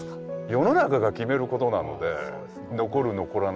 世の中が決めることなので残る残らないは。